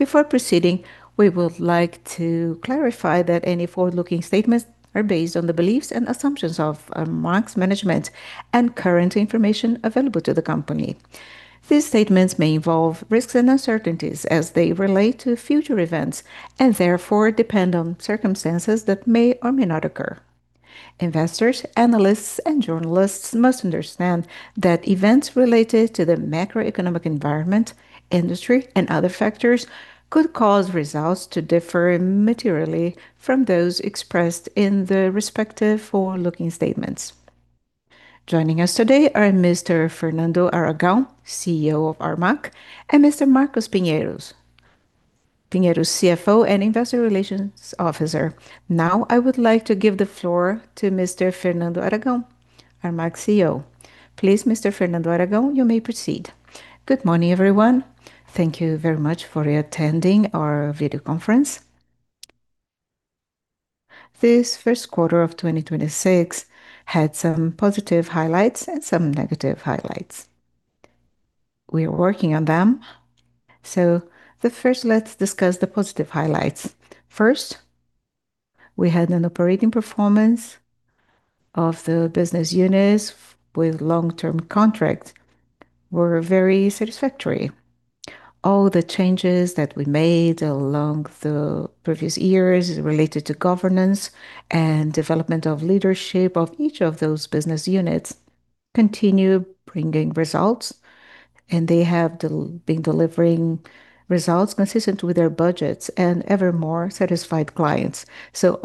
Before proceeding, we would like to clarify that any forward-looking statements are based on the beliefs and assumptions of Armac's management and current information available to the company. These statements may involve risks and uncertainties as they relate to future events and therefore depend on circumstances that may or may not occur. Investors, analysts, and journalists must understand that events related to the macroeconomic environment, industry, and other factors could cause results to differ materially from those expressed in the respective forward-looking statements. Joining us today are Mr. Fernando Aragão, CEO of Armac, and Mr. Marcos Pinheiro, CFO and Investor Relations Officer. Now I would like to give the floor to Mr. Fernando Aragão, Armac CEO. Please, Mr. Fernando Aragão, you may proceed. Good morning, everyone. Thank you very much for attending our video conference. This first quarter of 2026 had some positive highlights and some negative highlights. We are working on them. The first, let's discuss the positive highlights. first, we had an operating performance of the business units with long-term contracts were very satisfactory. All the changes that we made along the previous years related to governance and development of leadership of each of those business units continue bringing results, and they have been delivering results consistent with their budgets and ever more satisfied clients.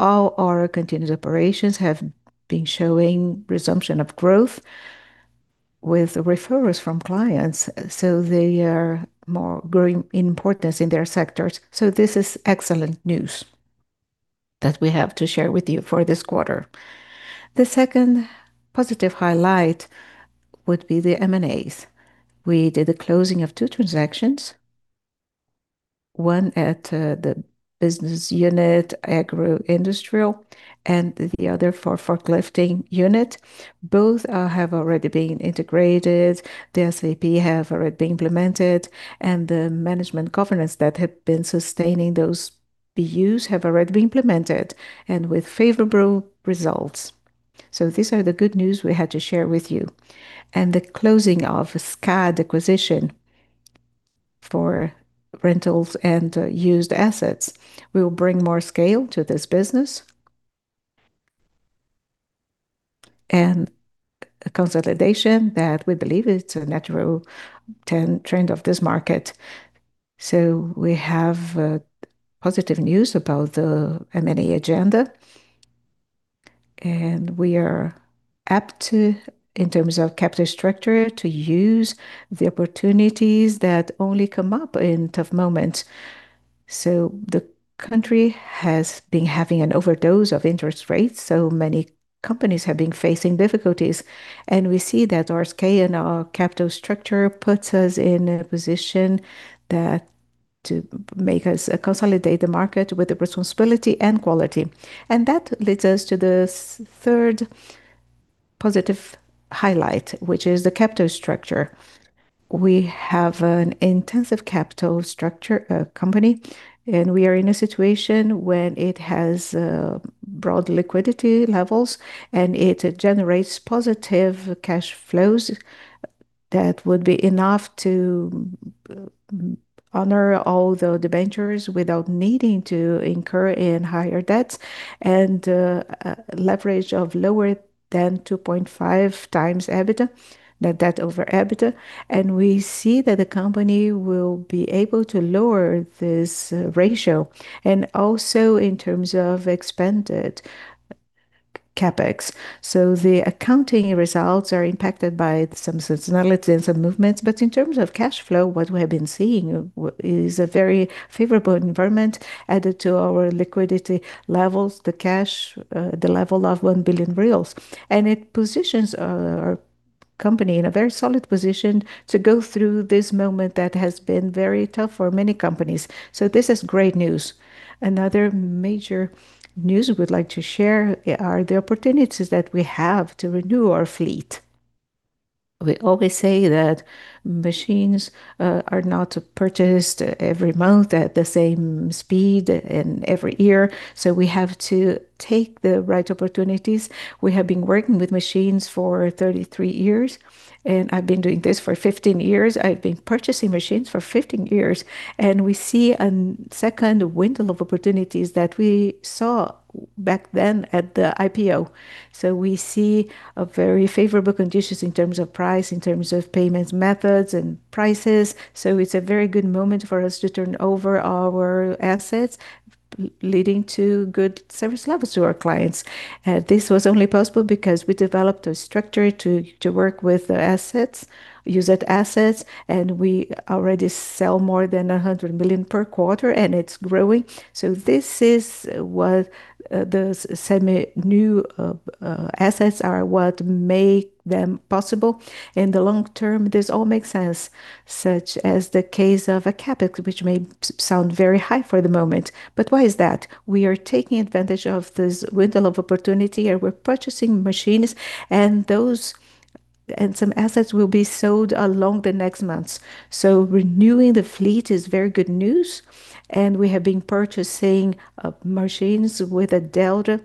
All our continued operations have been showing resumption of growth with referrals from clients, so they are more growing importance in their sectors. This is excellent news that we have to share with you for this quarter. The second positive highlight would be the M&As. We did the closing of two transactions, one at the business unit agro-industrial and the other for forklifting unit. Both have already been integrated. The SAP have already been implemented, and the management governance that have been sustaining those BUs have already been implemented and with favorable results. These are the good news we had to share with you. The closing of Escad acquisition for rentals and used assets will bring more scale to this business and a consolidation that we believe it's a natural turn- trend of this market. We have positive news about the M&A agenda, and we are apt to, in terms of capital structure, to use the opportunities that only come up in tough moments. The country has been having an overdose of interest rates, so many companies have been facing difficulties. We see that our scale and our capital structure puts us in a position that to make us consolidate the market with the responsibility and quality. That leads us to the third positive highlight, which is the capital structure. We have an intensive capital structure company, and we are in a situation when it has broad liquidity levels, and it generates positive cash flows that would be enough to honor all the debentures without needing to incur in higher debts and leverage of lower than 2.5x EBITDA, net debt over EBITDA. We see that the company will be able to lower this ratio and also in terms of expanded CapEx. The accounting results are impacted by some seasonalities and movements, but in terms of cash flow, what we have been seeing is a very favorable environment added to our liquidity levels, the cash, the level of 1 billion reais. It positions our company in a very solid position to go through this moment that has been very tough for many companies. This is great news. Another major news we would like to share are the opportunities that we have to renew our fleet. We always say that machines are not purchased every month at the same speed and every year, so we have to take the right opportunities. We have been working with machines for 33 years, and I've been doing this for 15 years. I've been purchasing machines for 15 years, and we see a second window of opportunities that we saw back then at the IPO. We see very favorable conditions in terms of price, in terms of payment methods and prices, it's a very good moment for us to turn over our assets, leading to good service levels to our clients. This was only possible because we developed a structure to work with the assets, used assets, and we already sell more than 100 million per quarter, and it's growing. This is what the semi-new assets are what make them possible. In the long term, this all makes sense, such as the case of a CapEx, which may sound very high for the moment, but why is that? We are taking advantage of this window of opportunity, we're purchasing machines and some assets will be sold along the next months. Renewing the fleet is very good news, we have been purchasing machines with a delta,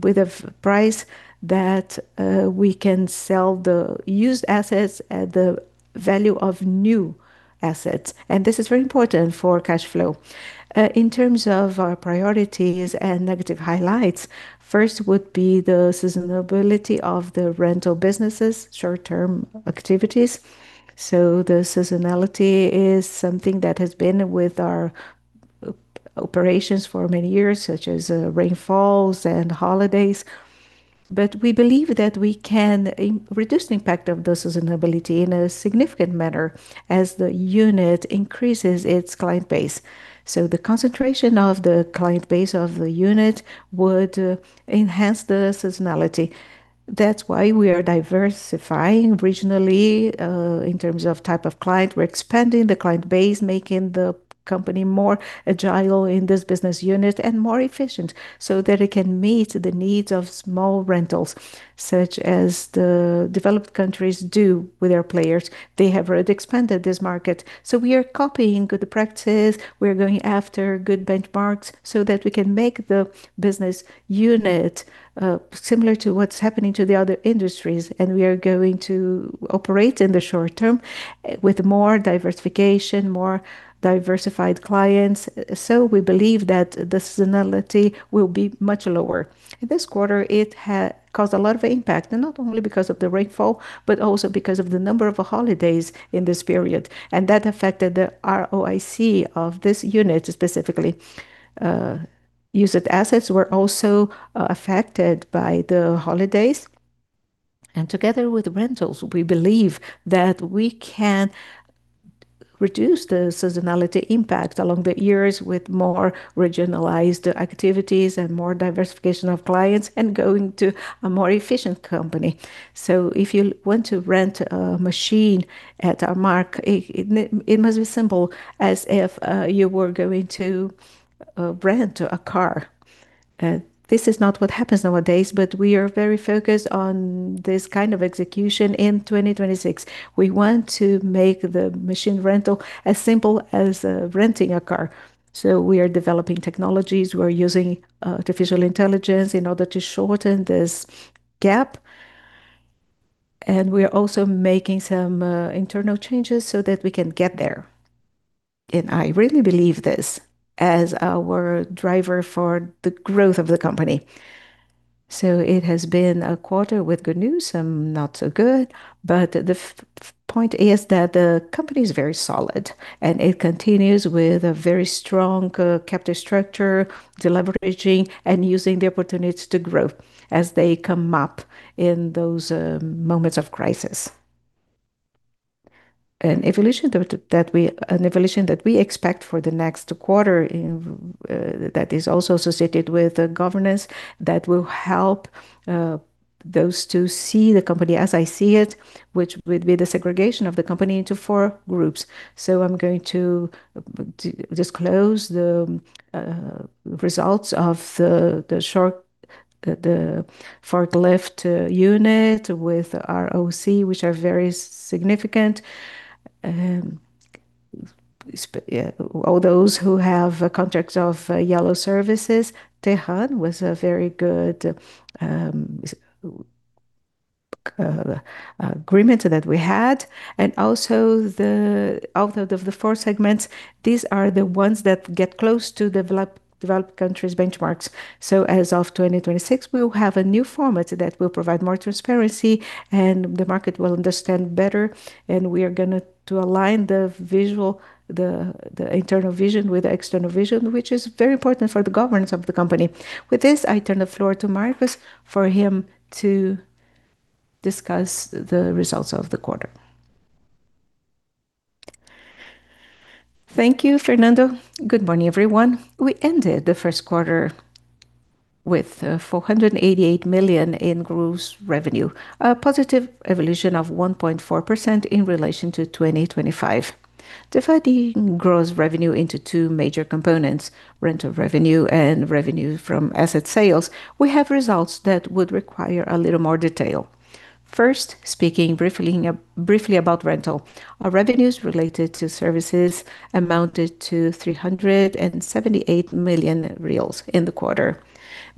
with a price that we can sell the used assets at the value of new assets, and this is very important for cash flow. In terms of our priorities and negative highlights, first would be the seasonality of the rental businesses, short-term activities. The seasonality is something that has been with our operations for many years, such as rainfalls and holidays. We believe that we can reduce the impact of the seasonality in a significant manner as the unit increases its client base. The concentration of the client base of the unit would enhance the seasonality. That's why we are diversifying regionally, in terms of type of client. We're expanding the client base, making the company more agile in this business unit and more efficient so that it can meet the needs of small rentals, such as the developed countries do with their players. They have already expanded this market. We are copying good practice. We are going after good benchmarks so that we can make the business unit similar to what's happening to the other industries, and we are going to operate in the short term with more diversification, more diversified clients. We believe that the seasonality will be much lower. This quarter, it caused a lot of impact, and not only because of the rainfall, but also because of the number of holidays in this period, and that affected the ROIC of this unit specifically. Used assets were also affected by the holidays. Together with rentals, we believe that we can reduce the seasonality impact along the years with more regionalized activities and more diversification of clients and going to a more efficient company. If you want to rent a machine at Armac, it must be simple as if you were going to rent a car. This is not what happens nowadays, but we are very focused on this kind of execution in 2026. We want to make the machine rental as simple as renting a car. We are developing technologies. We're using artificial intelligence in order to shorten this gap, and we are also making some internal changes so that we can get there, and I really believe this as our driver for the growth of the company. It has been a quarter with good news, some not so good, but the point is that the company is very solid, and it continues with a very strong capital structure, deleveraging, and using the opportunities to grow as they come up in those moments of crisis. An evolution that we expect for the next quarter in that is also associated with the governance that will help those to see the company as I see it, which would be the segregation of the company into four groups. I'm going to disclose the results of the short, the forklift unit with ROIC, which are very significant. All those who have contracts of yellow services, Tejon was a very good agreement that we had. Out of the four segments, these are the ones that get close to developed countries' benchmarks. As of 2026, we will have a new format that will provide more transparency, and the market will understand better. We are going to align the visual, the internal vision with the external vision, which is very important for the governance of the company. With this, I turn the floor to Marcos for him to discuss the results of the quarter. Thank you, Fernando. Good morning, everyone. We ended the first quarter with 488 million in gross revenue, a positive evolution of 1.4% in relation to 2025. Dividing gross revenue into two major components, rental revenue and revenue from asset sales, we have results that would require a little more detail. First, speaking briefly about rental. Our revenues related to services amounted to 378 million reais in the quarter.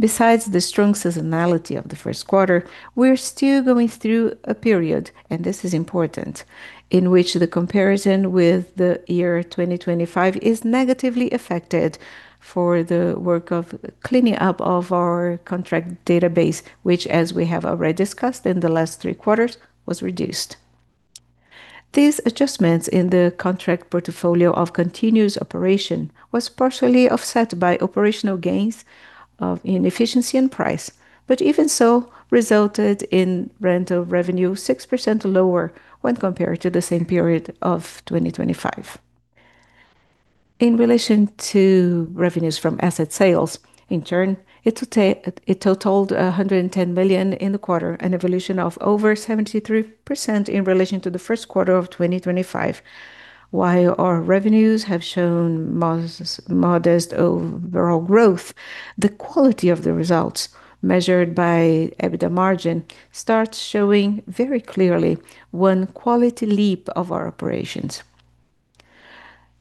Besides the strong seasonality of the first quarter, we're still going through a period, and this is important, in which the comparison with the year 2025 is negatively affected for the work of cleaning up of our contract database, which as we have already discussed in the last three quarters, was reduced. These adjustments in the contract portfolio of continuous operation was partially offset by operational gains of inefficiency in price, but even so, resulted in rental revenue 6% lower when compared to the same period of 2025. In relation to revenues from asset sales, in turn, it totaled 110 million in the quarter, an evolution of over 73% in relation to the first quarter of 2025. Our revenues have shown modest overall growth, the quality of the results measured by EBITDA margin starts showing very clearly one quality leap of our operations.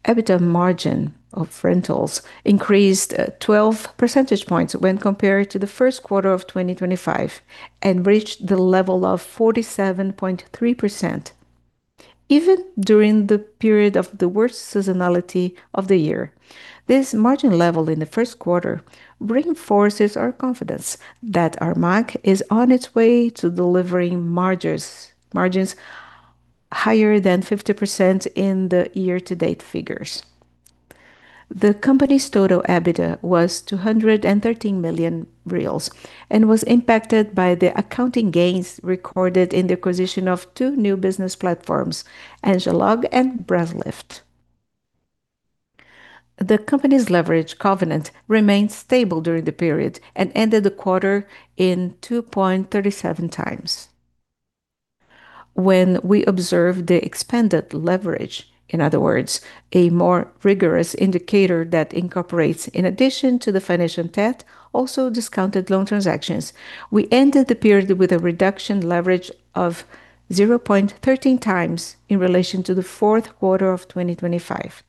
EBITDA margin of rentals increased 12 percentage points when compared to the first quarter of 2025 and reached the level of 47.3%. Even during the period of the worst seasonality of the year, this margin level in the first quarter reinforces our confidence that Armac is on its way to delivering margins higher than 50% in the year-to-date figures. The company's total EBITDA was 213 million reais and was impacted by the accounting gains recorded in the acquisition of two new business platforms, Engelog and Braslift. The company's leverage covenant remained stable during the period and ended the quarter in 2.37x. When we observe the expanded leverage, in other words, a more rigorous indicator that incorporates, in addition to the financial debt, also discounted loan transactions, we ended the period with a reduction leverage of 0.13x in relation to the fourth quarter of 2025.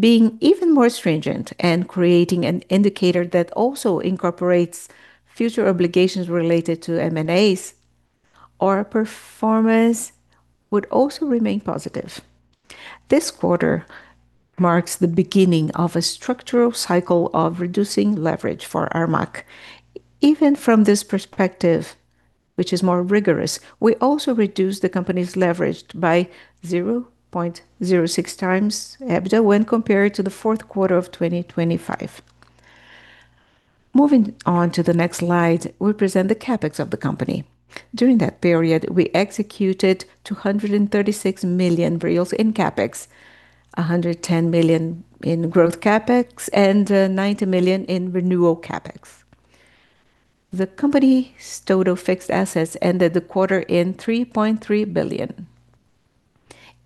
Being even more stringent and creating an indicator that also incorporates future obligations related to M&As, our performance would also remain positive. This quarter marks the beginning of a structural cycle of reducing leverage for Armac. Even from this perspective, which is more rigorous, we also reduced the company's leverage by 0.06x EBITDA when compared to fourth quarter of 2025. Moving on to the next slide, we present the CapEx of the company. During that period, we executed 236 million reais in CapEx, 110 million in growth CapEx, and 90 million in renewal CapEx. The company's total fixed assets ended the quarter in 3.3 billion.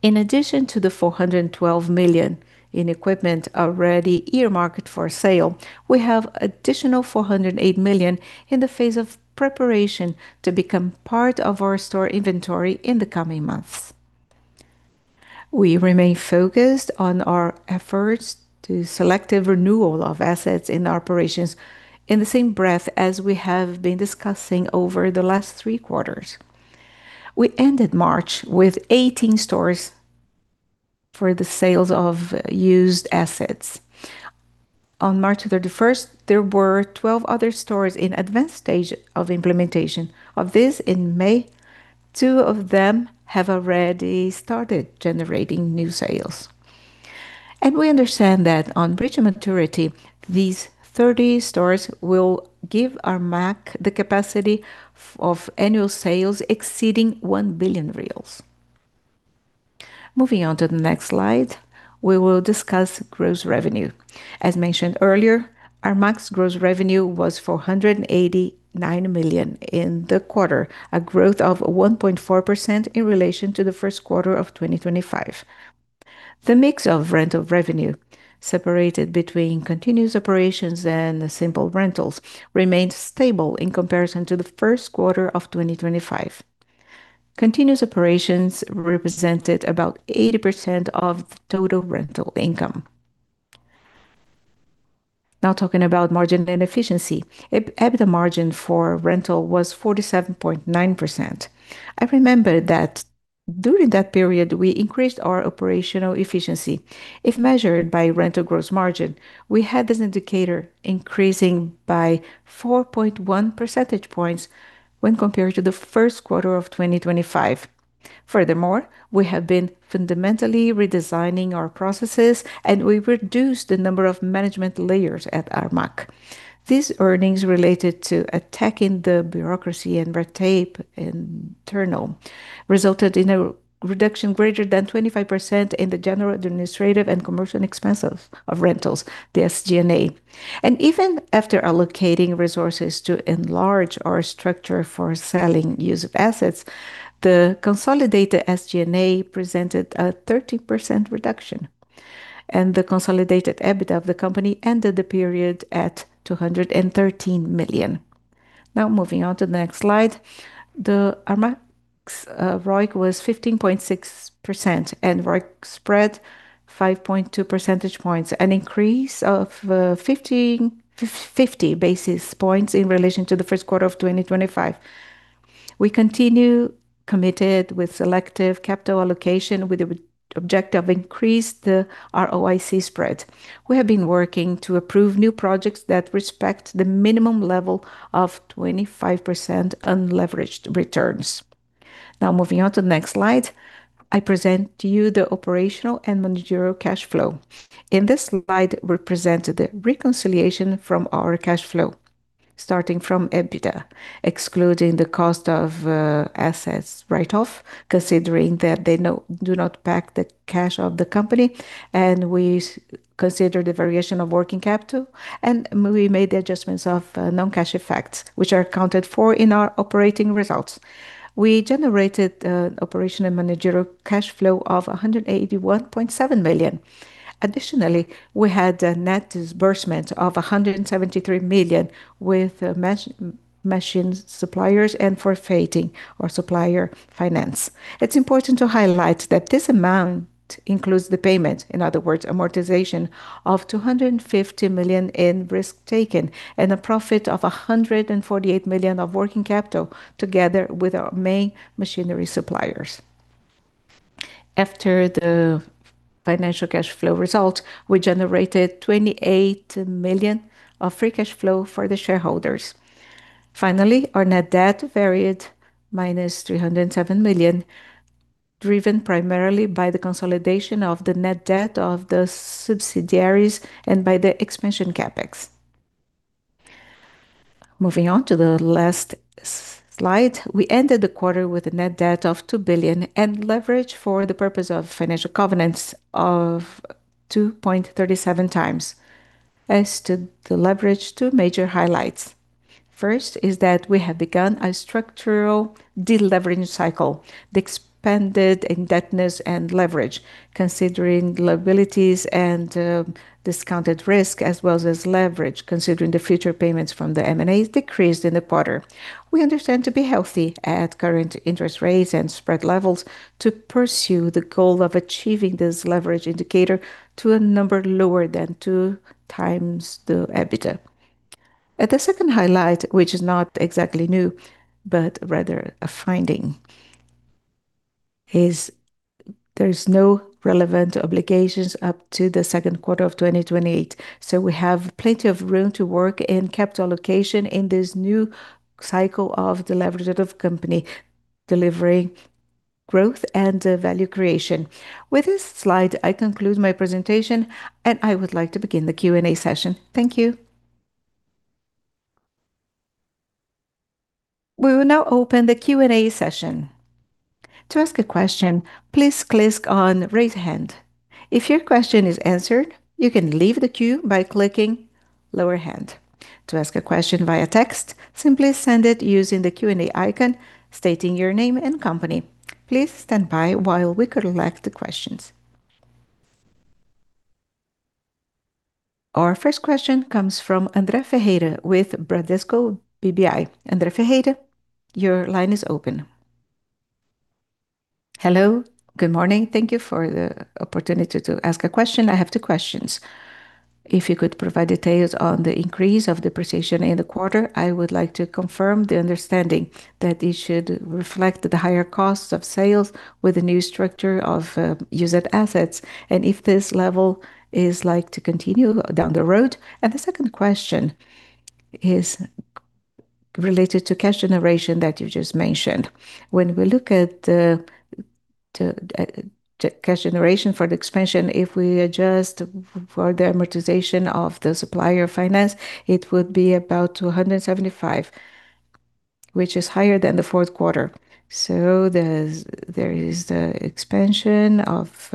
In addition to the 412 million in equipment already earmarked for sale, we have additional 408 million in the phase of preparation to become part of our store inventory in the coming months. We remain focused on our efforts to selective renewal of assets in operations in the same breath as we have been discussing over the last three quarters. We ended March with 18 stores for the sales of used assets. On March 31st, there were 12 other stores in advanced stage of implementation. Of this, in May, two of them have already started generating new sales. We understand that on bridge maturity, these 30 stores will give Armac the capacity of annual sales exceeding 1 billion reais. Moving on to the next slide, we will discuss gross revenue. As mentioned earlier, Armac's gross revenue was 489 million in the quarter, a growth of 1.4% in relation to the first quarter of 2025. The mix of rental revenue separated between continuous operations and simple rentals remained stable in comparison to the first quarter of 2025. Continuous operations represented about 80% of the total rental income. Now talking about margin and efficiency. EBITDA margin for rental was 47.9%. I remember that during that period we increased our operational efficiency. If measured by rental gross margin, we had this indicator increasing by 4.1 percentage points when compared to the first quarter of 2025. We have been fundamentally redesigning our processes, and we reduced the number of management layers at Armac. These earnings related to attacking the bureaucracy and red tape internal resulted in a reduction greater than 25% in the general administrative and commercial expenses of rentals, the SG&A. Even after allocating resources to enlarge our structure for selling used assets, the consolidated SG&A presented a 13% reduction, and the consolidated EBITDA of the company ended the period at 213 million. Moving on to the next slide. The Armac's ROIC was 15.6% and ROIC spread 5.2 percentage points, an increase of 50 basis points in relation to the first quarter of 2025. We continue committed with selective capital allocation with the objective increase the ROIC spread. We have been working to approve new projects that respect the minimum level of 25% unleveraged returns. Now moving on to the next slide, I present to you the operational and managerial cash flow. In this slide, we present the reconciliation from our cash flow. Starting from EBITDA, excluding the cost of assets write-off, considering that they do not back the cash of the company, and we consider the variation of working capital, and we made the adjustments of non-cash effects, which are accounted for in our operating results. We generated operational managerial cash flow of 181.7 million. Additionally, we had a net disbursement of 173 million with machine suppliers and for forfaiting or supplier finance. It's important to highlight that this amount includes the payment, in other words, amortization of 250 million in risk taken and a profit of 148 million of working capital together with our main machinery suppliers. After the financial cash flow result, we generated 28 million of free cash flow for the shareholders. Finally, our net debt varied -307 million, driven primarily by the consolidation of the net debt of the subsidiaries and by the expansion CapEx. Moving on to the last slide, we ended the quarter with a net debt of 2 billion and leverage for the purpose of financial covenants of 2.37x. As to the leverage, two major highlights. First is that we have begun a structural de-leveraging cycle. The expanded indebtedness and leverage considering liabilities and discounted risk as well as leverage considering the future payments from the M&As decreased in the quarter. We understand to be healthy at current interest rates and spread levels to pursue the goal of achieving this leverage indicator to a number lower than 2x the EBITDA. The second highlight, which is not exactly new, but rather a finding, is there's no relevant obligations up to the second quarter of 2028. We have plenty of room to work in capital allocation in this new cycle of the leverage of company delivering growth and value creation. With this slide, I conclude my presentation and I would like to begin the Q&A session. Thank you. We will now open the Q&A session. To ask a question, please click on raise hand. If your question is answered, you can leave the queue by clicking lower hand. To ask a question via text, simply send it using the Q&A icon stating your name and company. Please stand by while we collect the questions. Our first question comes from André Ferreira with Bradesco BBI. André Ferreira, your line is open. Hello. Good morning. Thank you for the opportunity to ask a question. I have two questions. If you could provide details on the increase of depreciation in the quarter, I would like to confirm the understanding that this should reflect the higher cost of sales with the new structure of used assets, and if this level is like to continue down the road? The second question is related to cash generation that you just mentioned. When we look at the cash generation for the expansion, if we adjust for the amortization of the supplier finance, it would be about 275, which is higher than the fourth quarter. There is the expansion of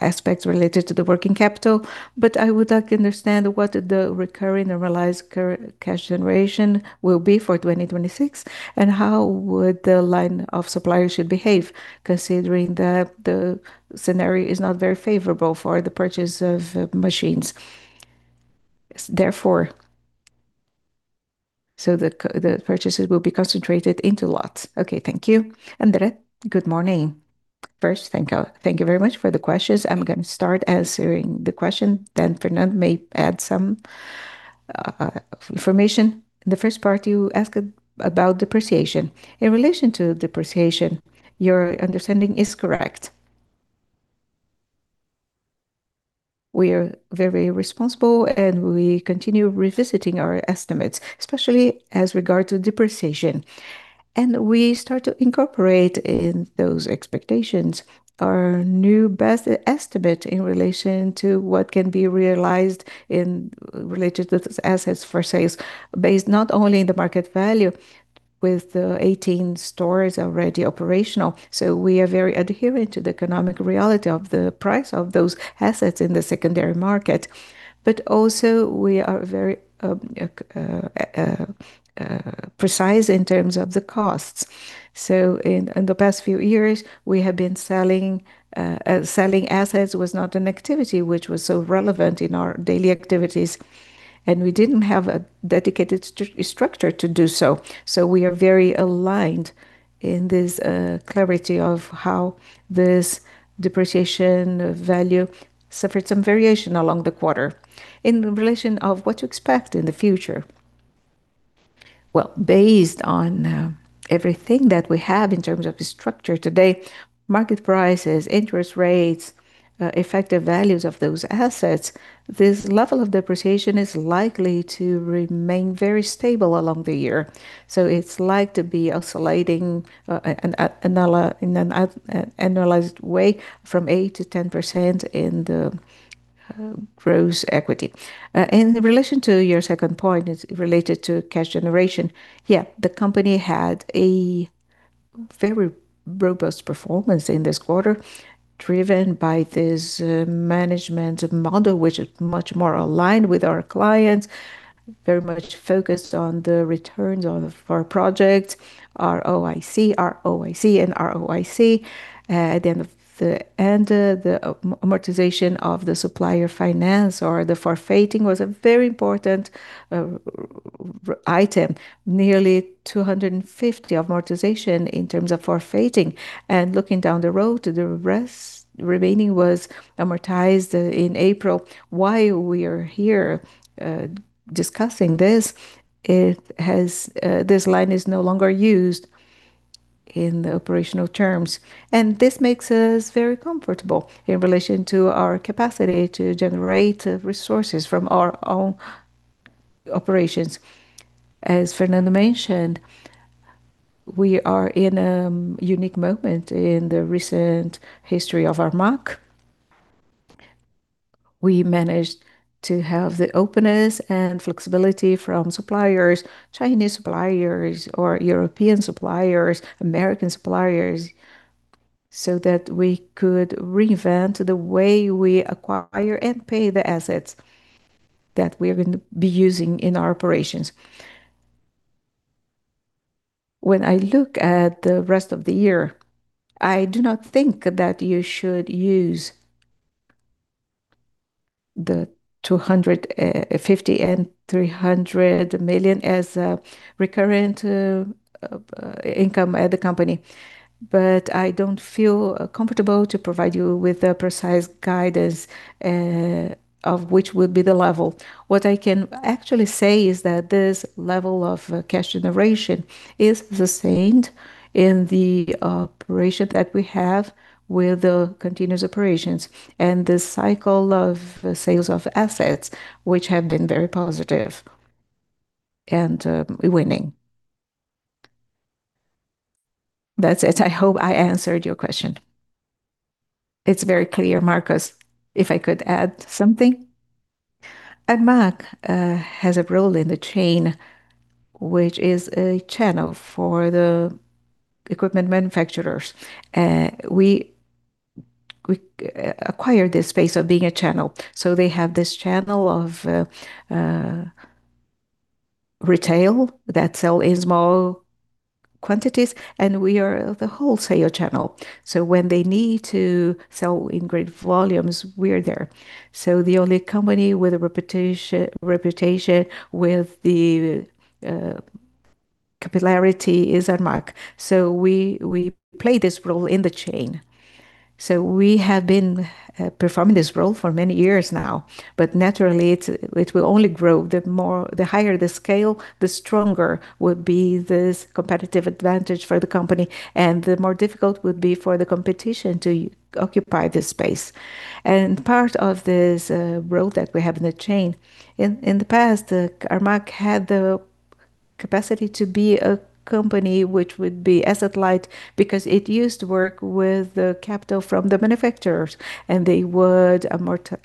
aspects related to the working capital. I would like to understand what the recurring normalized cash generation will be for 2026, and how would the line of suppliers should behave considering that the scenario is not very favorable for the purchase of machines? The purchases will be concentrated into lots. Okay. Thank you. André, good morning. First, thank you very much for the questions. I'm gonna start answering the question, Fernando may add some information. The first part you ask about depreciation. In relation to depreciation, your understanding is correct. We are very responsible, we continue revisiting our estimates, especially as regards to depreciation, we start to incorporate in those expectations our new best estimate in relation to what can be realized in related to assets for sales based not only in the market value with the 18 stores already operational. We are very adherent to the economic reality of the price of those assets in the secondary market. Also we are very precise in terms of the costs. In the past few years, we have been selling assets was not an activity which was so relevant in our daily activities, we didn't have a dedicated structure to do so. We are very aligned in this clarity of how this depreciation value suffered some variation along the quarter. In relation of what to expect in the future, well, based on everything that we have in terms of the structure today, market prices, interest rates, effective values of those assets, this level of depreciation is likely to remain very stable along the year. It's like to be oscillating in an annualized way from 8%-10% in the gross equity. In relation to your second point is related to cash generation. Yeah. The company had a very robust performance in this quarter, driven by this management model, which is much more aligned with our clients, very much focused on the returns for our project, ROIC. The amortization of the supplier finance or the forfeiting was a very important item, nearly 250 of amortization in terms of forfeiting. Looking down the road, the rest remaining was amortized in April. Why we are here discussing this line is no longer used in the operational terms, and this makes us very comfortable in relation to our capacity to generate resources from our own operations. As Fernando mentioned, we are in a unique moment in the recent history of Armac. We managed to have the openness and flexibility from suppliers, Chinese suppliers or European suppliers, American suppliers, so that we could reinvent the way we acquire and pay the assets that we're gonna be using in our operations. When I look at the rest of the year, I do not think that you should use the 250 million and 300 million as a recurrent income at the company. I don't feel comfortable to provide you with a precise guidance of which would be the level. What I can actually say is that this level of cash generation is sustained in the operation that we have with the continuous operations and the cycle of sales of assets, which have been very positive and winning. That's it. I hope I answered your question. It's very clear, Marcos. If I could add something. Armac has a role in the chain, which is a channel for the equipment manufacturers. We acquired this space of being a channel. They have this channel of retail that sell in small quantities, and we are the wholesaler channel. When they need to sell in great volumes, we're there. The only company with a reputation with the capillarity is Armac. We play this role in the chain. We have been performing this role for many years now. Naturally, it will only grow. The higher the scale, the stronger would be this competitive advantage for the company and the more difficult would be for the competition to occupy this space. Part of this role that we have in the chain, in the past, Armac had the capacity to be a company which would be asset-light because it used to work with the capital from the manufacturers, and they would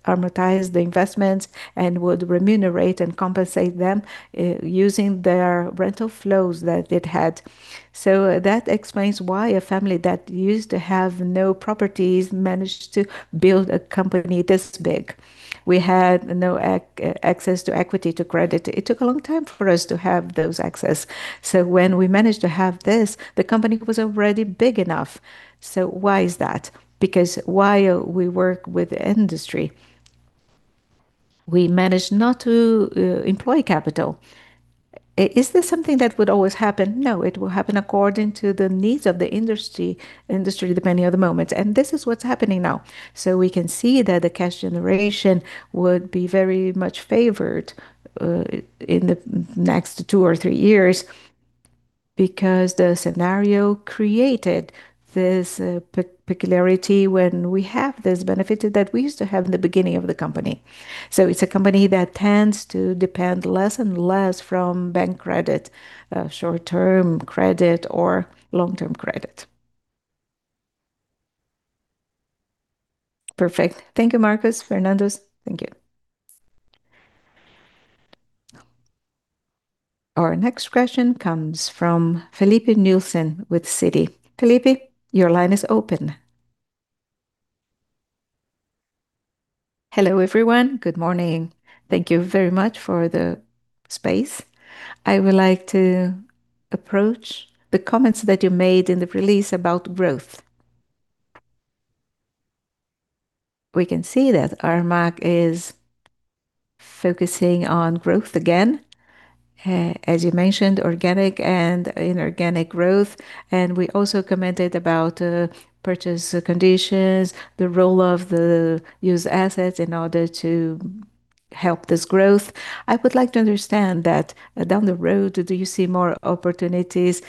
amortize the investments and would remunerate and compensate them, using their rental flows that it had. That explains why a family that used to have no properties managed to build a company this big. We had no access to equity, to credit. It took a long time for us to have those access. When we managed to have this, the company was already big enough. Why is that? Because while we work with the industry, we managed not to employ capital. Is this something that would always happen? No, it will happen according to the needs of the industry depending on the moment. This is what's happening now. We can see that the cash generation would be very much favored in the next two or three years because the scenario created this particularity when we have this benefit that we used to have in the beginning of the company. It's a company that tends to depend less and less from bank credit, short-term credit or long-term credit. Perfect. Thank you, Marcos, Fernando. Thank you. Our next question comes from Filipe Nielsen with Citi. Filipe, your line is open. Hello, everyone. Good morning. Thank you very much for the space. I would like to approach the comments that you made in the release about growth. We can see that Armac is focusing on growth again, as you mentioned, organic and inorganic growth. We also commented about purchase conditions, the role of the used assets in order to help this growth. I would like to understand that down the road, do you see more opportunities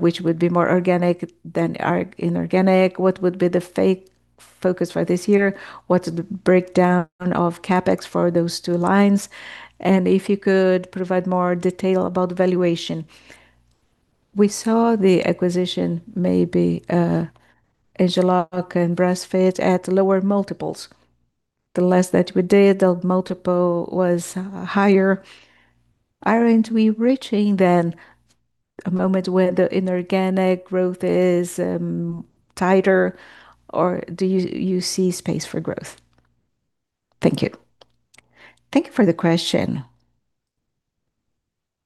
which would be more organic than inorganic? What would be the focus for this year? What's the breakdown of CapEx for those two lines? If you could provide more detail about valuation. We saw the acquisition, maybe, Engelog and Braslift at lower multiples. The less that we did, the multiple was higher. Aren't we reaching a moment where the inorganic growth is tighter, or do you see space for growth? Thank you. Thank you for the question.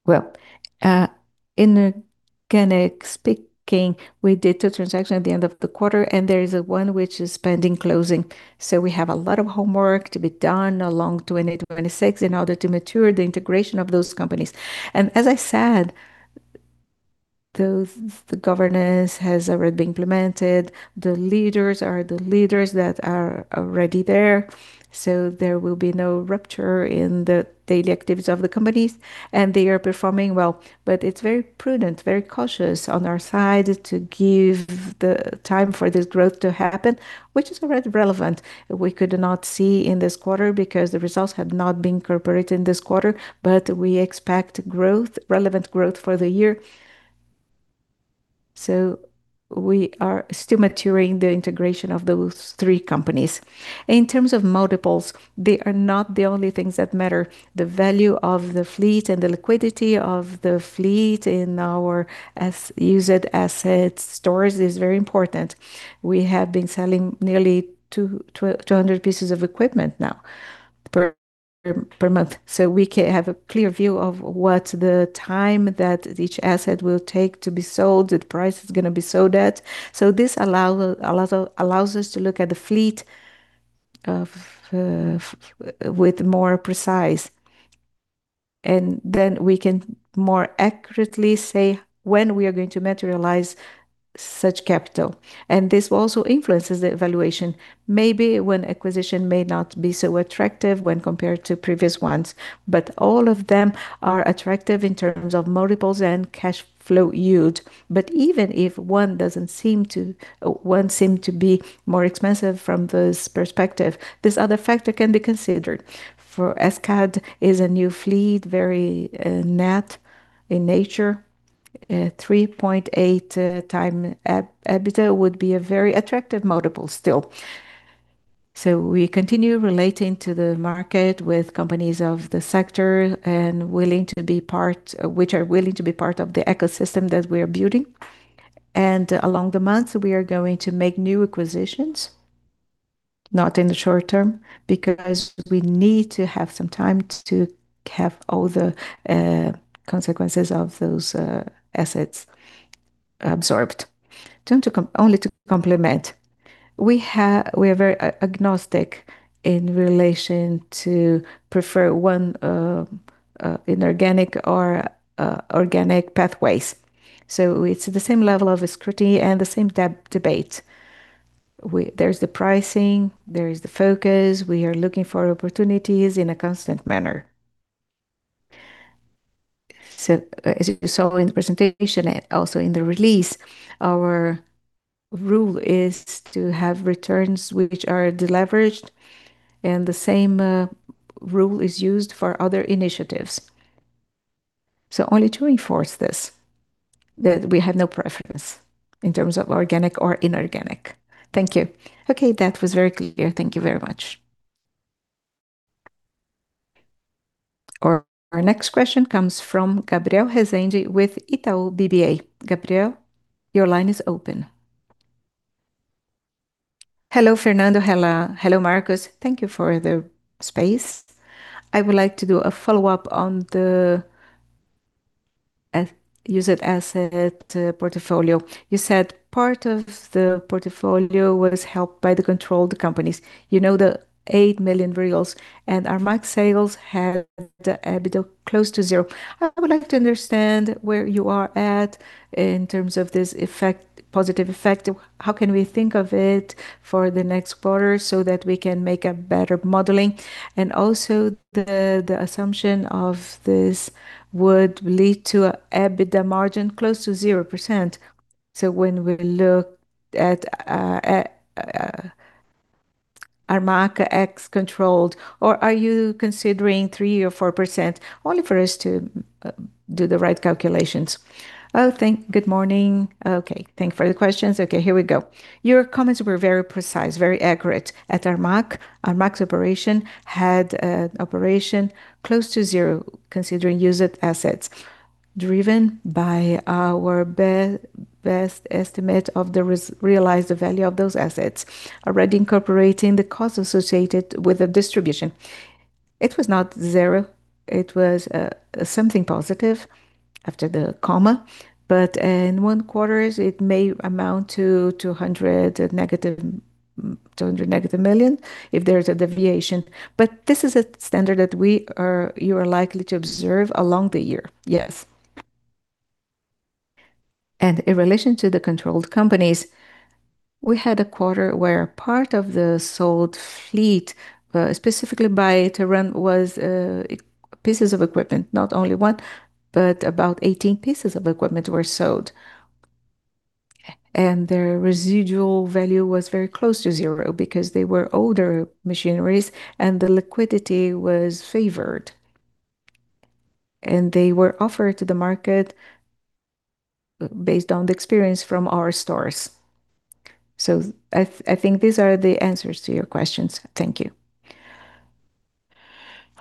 Well, in inorganic speaking, we did the transaction at the end of the quarter, and there is one which is pending closing. We have a lot of homework to be done along 2026 in order to mature the integration of those companies. As I said, the governance has already been implemented. The leaders are the leaders that are already there, so there will be no rupture in the daily activities of the companies, and they are performing well. It's very prudent, very cautious on our side to give the time for this growth to happen, which is already relevant. We could not see in this quarter because the results had not been incorporated in this quarter, but we expect growth, relevant growth for the year. We are still maturing the integration of those three companies. In terms of multiples, they are not the only things that matter. The value of the fleet and the liquidity of the fleet in our used asset stores is very important. We have been selling nearly 200 pieces of equipment now per month. We have a clear view of what the time that each asset will take to be sold, at price it's gonna be sold at. This allows us to look at the fleet of with more precise, then we can more accurately say when we are going to materialize such capital. This also influences the evaluation. Maybe when acquisition may not be so attractive when compared to previous ones, all of them are attractive in terms of multiples and cash flow yield. Even if one doesn't seem to, one seem to be more expensive from this perspective, this other factor can be considered. For Escad is a new fleet, very net in nature. 3.8x EBITDA would be a very attractive multiple still. We continue relating to the market with companies of the sector and which are willing to be part of the ecosystem that we are building. Along the months, we are going to make new acquisitions, not in the short term, because we need to have some time to have all the consequences of those assets absorbed. Only to complement. We are very agnostic in relation to prefer one inorganic or organic pathways. It's the same level of scrutiny and the same debate. There's the pricing, there is the focus. We are looking for opportunities in a constant manner. As you saw in the presentation and also in the release, our rule is to have returns which are deleveraged, and the same rule is used for other initiatives. Thank you. Okay. That was very clear. Thank you very much. Our next question comes from Gabriel Rezende with Itaú BBA. Gabriel, your line is open. Hello, Fernando. Hello, Marcos. Thank you for the space. I would like to do a follow-up on the used asset portfolio. You said part of the portfolio was helped by the controlled companies, you know, the 8 million, and Armac sales had the EBITDA close to zero. I would like to understand where you are at in terms of this effect, positive effect. How can we think of it for the next quarter so that we can make a better modeling? Also the assumption of this would lead to EBITDA margin close to 0%. When we look at Armac ex-controlled, or are you considering 3% or 4% only for us to do the right calculations? Good morning. Thank you for the questions. Okay, here we go. Your comments were very precise, very accurate. At Armac's operation had a operation close to zero considering used assets, driven by our best estimate of the realized value of those assets, already incorporating the cost associated with the distribution. It was not zero. It was something positive after the comma, but in one quarters, it may amount to 200 million negative if there's a deviation. This is a standard that you are likely to observe along the year. In relation to the controlled companies, we had a quarter where part of the sold fleet, specifically by Terramite, was pieces of equipment. Not only one, but about 18 pieces of equipment were sold. Their residual value was very close to zero because they were older machineries and the liquidity was favored. They were offered to the market based on the experience from our stores. I think these are the answers to your questions. Thank you.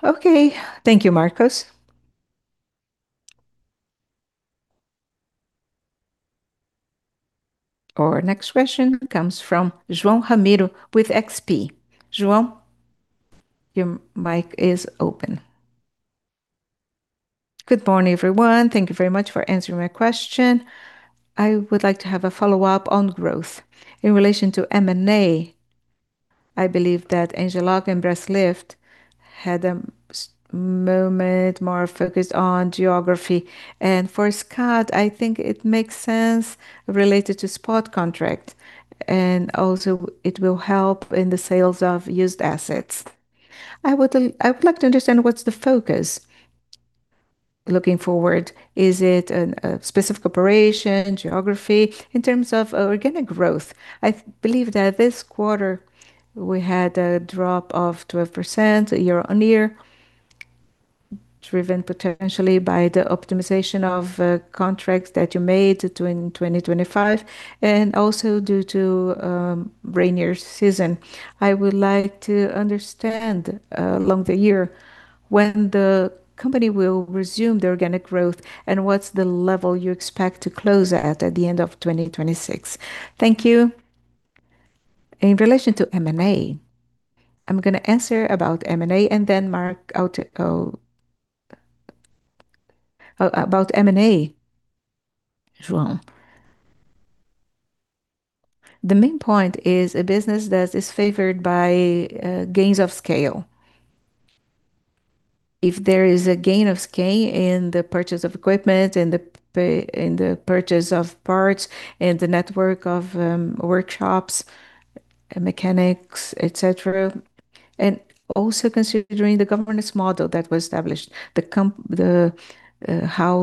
Okay. Thank you, Marcos. Our next question comes from João Ramiro with XP. João, your mic is open. Good morning, everyone. Thank you very much for answering my question. I would like to have a follow-up on growth. In relation to M&A, I believe that Engelog and Braslift had a moment more focused on geography. For Escad, I think it makes sense related to spot contract, and also it will help in the sales of used assets. I would like to understand what's the focus looking forward. Is it a specific operation, geography? In terms of organic growth, I believe that this quarter we had a drop of 12% year-on-year, driven potentially by the optimization of contracts that you made to in 2025 and also due to rainier season. I would like to understand along the year when the company will resume the organic growth and what's the level you expect to close at the end of 2026. Thank you. In relation to M&A, I'm gonna answer about M&A, João. The main point is a business that is favored by gains of scale. If there is a gain of scale in the purchase of equipment, in the purchase of parts, in the network of workshops, mechanics, et cetera, and also considering the governance model that was established, how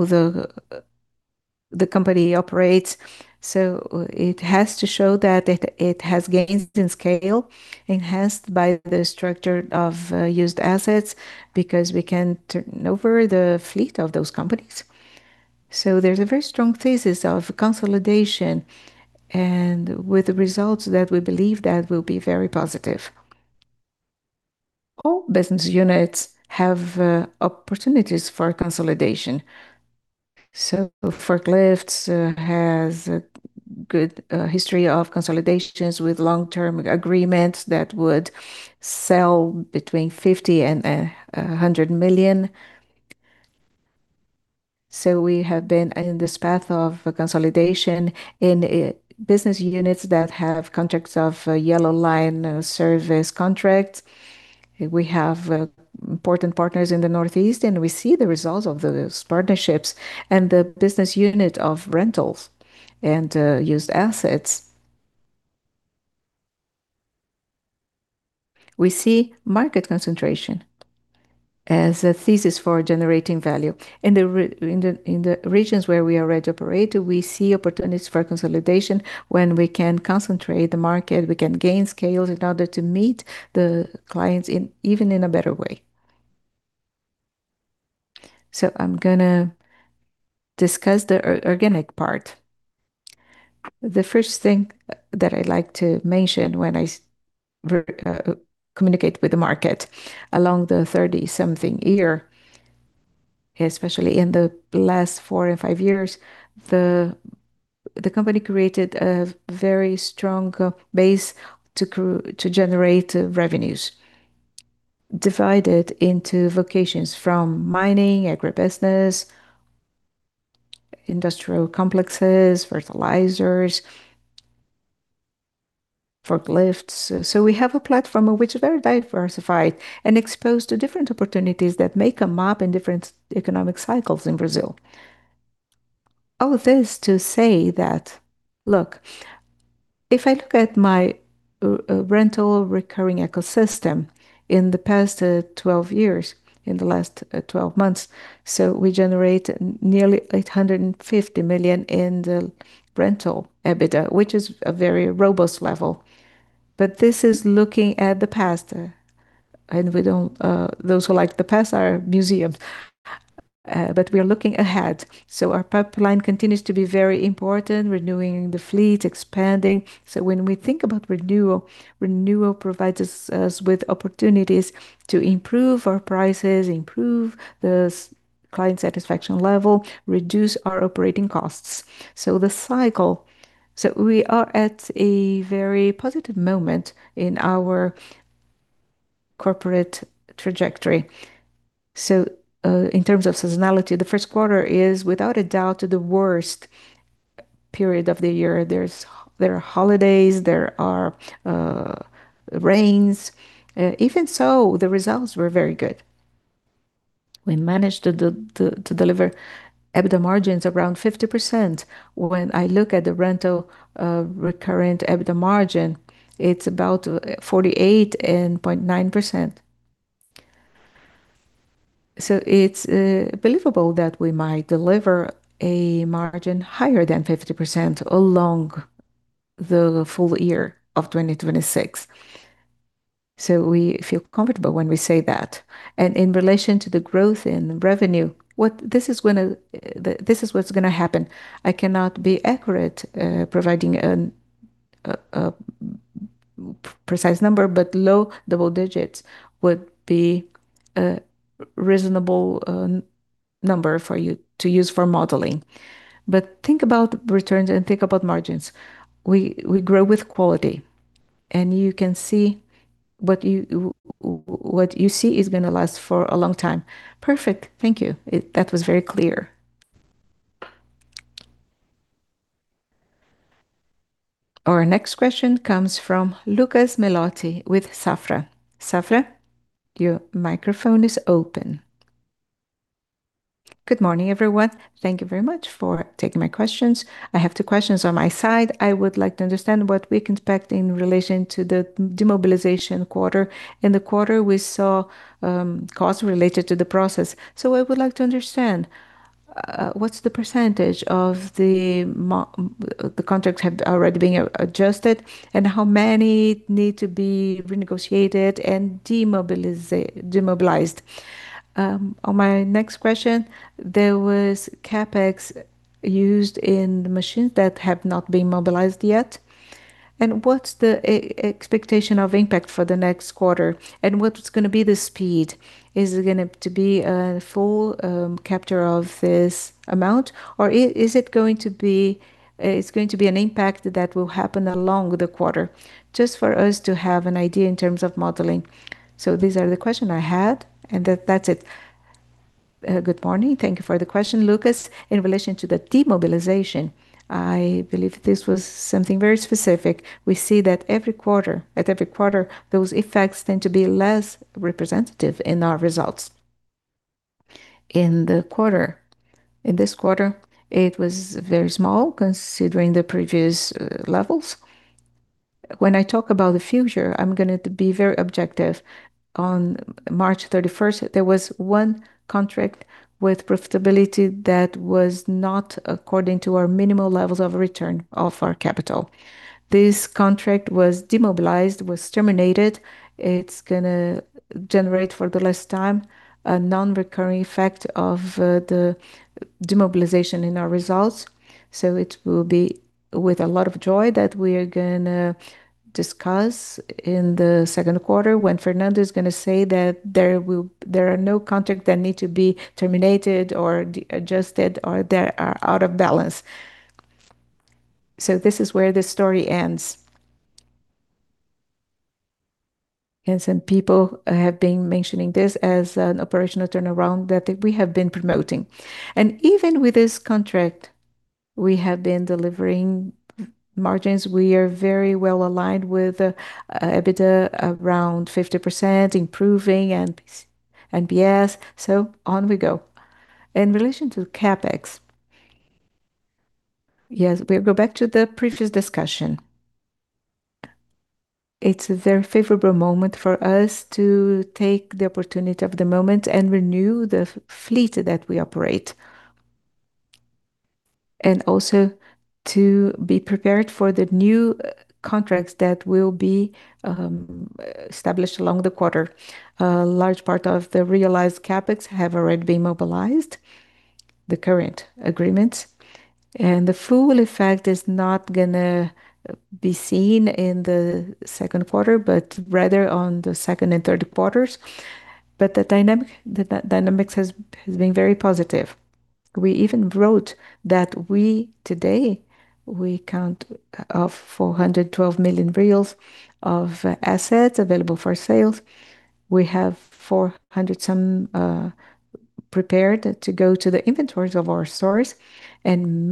the company operates. It has to show that it has gains in scale enhanced by the structure of used assets because we can turn over the fleet of those companies. There's a very strong thesis of consolidation and with results that we believe that will be very positive. All business units have opportunities for consolidation. Forklifts has a good history of consolidations with long-term agreements that would sell between 50 million and 100 million. We have been in this path of consolidation in business units that have contracts of Yellow Line service contracts. We have important partners in the Northeast, and we see the results of those partnerships and the business unit of rentals and used assets. We see market concentration as a thesis for generating value. In the regions where we already operate, we see opportunities for consolidation when we can concentrate the market, we can gain scales in order to meet the clients in even in a better way. I'm gonna discuss the organic part. The first thing that I like to mention when I communicate with the market along the 30-something year, especially in the last four and five years, the company created a very strong base to generate revenues divided into vocations from mining, agribusiness, industrial complexes, fertilizers, forklifts. We have a platform which is very diversified and exposed to different opportunities that may come up in different economic cycles in Brazil. All this to say that, look, if I look at my rental recurring ecosystem in the past 12 years, in the last 12 months, we generate nearly 850 million in the rental EBITDA, which is a very robust level. This is looking at the past, and we don't, those who like the past are museum. We are looking ahead. Our pipeline continues to be very important, renewing the fleet, expanding. When we think about renewal provides us with opportunities to improve our prices, improve the client satisfaction level, reduce our operating costs. We are at a very positive moment in our corporate trajectory. In terms of seasonality, the first quarter is without a doubt the worst period of the year. There are holidays, there are rains. Even so, the results were very good. We managed to deliver EBITDA margins around 50%. When I look at the rental recurrent EBITDA margin, it's about 48.9%. It's believable that we might deliver a margin higher than 50% along the full year of 2026. We feel comfortable when we say that. In relation to the growth in revenue, this is what's gonna happen. I cannot be accurate, providing a precise number, but low double digits would be a reasonable number for you to use for modeling. Think about returns and think about margins. We grow with quality, and you can see what you see is gonna last for a long time. Perfect. Thank you. That was very clear. Our next question comes from Lucas Melotti with Safra. [Lucas], your microphone is open. Good morning, everyone. Thank you very much for taking my questions. I have 2 questions on my side. I would like to understand what we can expect in relation to the demobilization quarter. In the quarter, we saw costs related to the process. I would like to understand what's the percentage of the contracts have already been adjusted, and how many need to be renegotiated and demobilized. On my next question, there was CapEx used in machines that have not been mobilized yet. What's the expectation of impact for the next quarter, and what's gonna be the speed? Is it going to be a full capture of this amount, or is it going to be an impact that will happen along with the quarter? Just for us to have an idea in terms of modeling. These are the question I had, and that's it. Good morning. Thank you for the question, Lucas. In relation to the demobilization, I believe this was something very specific. We see that every quarter, those effects tend to be less representative in our results. In this quarter, it was very small considering the previous levels. When I talk about the future, I'm gonna be very objective. On March 31st, there was one contract with profitability that was not according to our minimal levels of return of our capital. This contract was demobilized, was terminated. It's gonna generate for the last time a non-recurring effect of the demobilization in our results. It will be with a lot of joy that we are gonna discuss in the second quarter when Fernando is gonna say that there are no contract that need to be terminated or adjusted or that are out of balance. This is where the story ends. Some people have been mentioning this as an operational turnaround that we have been promoting. Even with this contract, we have been delivering margins. We are very well aligned with EBITDA around 50%, improving NPS. On we go. In relation to CapEx, yes, we'll go back to the previous discussion. It's a very favorable moment for us to take the opportunity of the moment and renew the fleet that we operate, and also to be prepared for the new contracts that will be established along the quarter. A large part of the realized CapEx have already been mobilized, the current agreement. The full effect is not going to be seen in the second quarter, but rather on the second and third quarters. The dynamic, the dynamics has been very positive. We even wrote that we, today, we count of 412 million of assets available for sales. We have 400 some prepared to go to the inventories of our stores and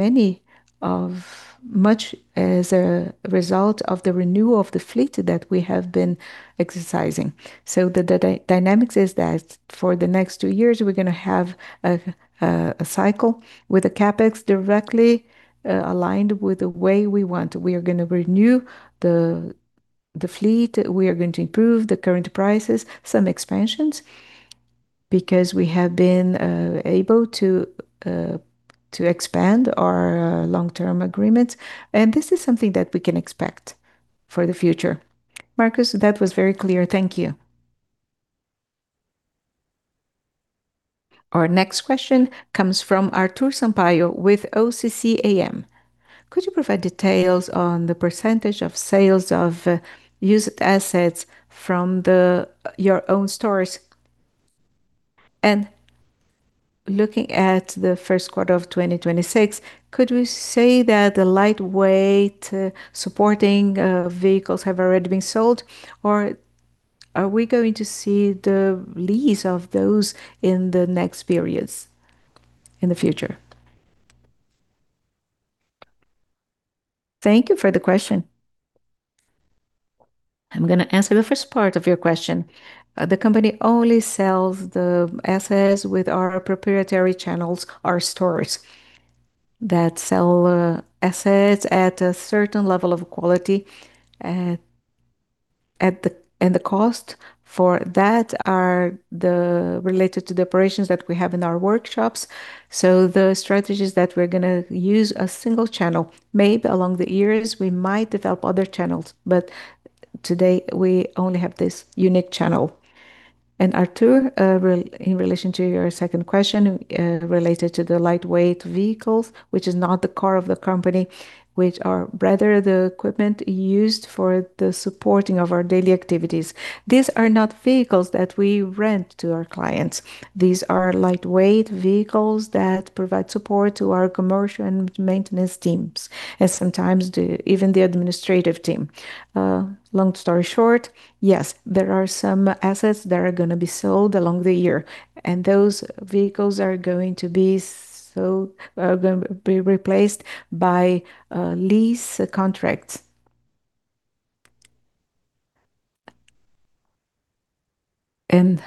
much as a result of the renewal of the fleet that we have been exercising. The dynamics is that for the next two years, we're gonna have a cycle with the CapEx directly aligned with the way we want. We are gonna renew the fleet. We are going to improve the current prices, some expansions, because we have been able to expand our long-term agreements, this is something that we can expect for the future. Marcos, that was very clear. Thank you. Our next question comes from Arthur Sampaio with OCCAM. Could you provide details on the % of sales of used assets from your own stores? Looking at the first quarter of 2026, could we say that the lightweight supporting vehicles have already been sold, or are we going to see the lease of those in the next periods in the future? Thank you for the question. I'm gonna answer the first part of your question. The company only sells the assets with our proprietary channels, our stores that sell assets at a certain level of quality, and the cost for that are the related to the operations that we have in our workshops. The strategies that we're gonna use a single channel. Maybe along the years we might develop other channels, but today we only have this unique channel. Arthur, in relation to your second question, related to the lightweight vehicles, which is not the core of the company, which are rather the equipment used for the supporting of our daily activities. These are not vehicles that we rent to our clients. These are lightweight vehicles that provide support to our commercial and maintenance teams, and sometimes even the administrative team. Long story short, yes, there are some assets that are gonna be sold along the year, and those vehicles are going to be replaced by lease contracts. It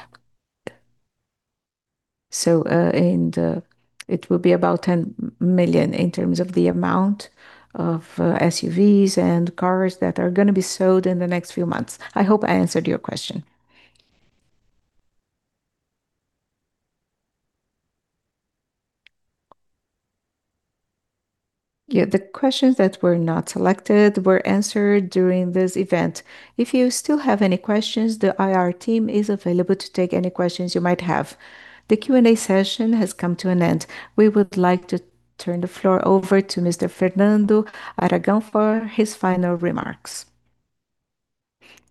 will be about 10 million in terms of the amount of SUVs and cars that are gonna be sold in the next few months. I hope I answered your question. Yeah, the questions that were not selected were answered during this event. If you still have any questions, the IR team is available to take any questions you might have. The Q&A session has come to an end. We would like to turn the floor over to Mr. Fernando Aragão for his final remarks.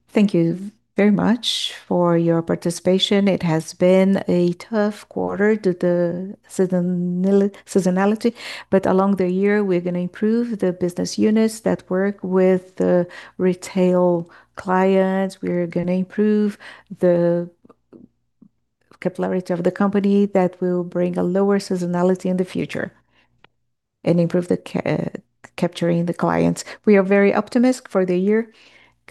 Thank you very much for your participation. It has been a tough quarter due to seasonality, but along the year, we're gonna improve the business units that work with the retail clients. We're gonna improve the capability of the company that will bring a lower seasonality in the future and improve capturing the clients. We are very optimistic for the year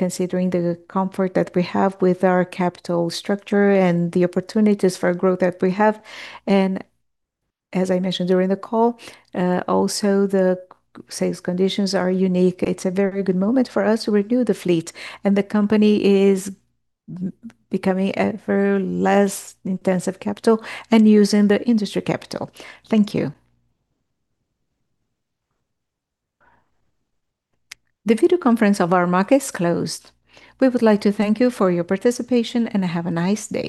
considering the comfort that we have with our capital structure and the opportunities for growth that we have. As I mentioned during the call, also the sales conditions are unique. It's a very good moment for us to renew the fleet. The company is becoming ever less intensive capital and using the industry capital. Thank you. The video conference of Armac is closed. We would like to thank you for your participation. Have a nice day.